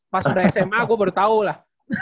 pas udah sma gue baru tahu lah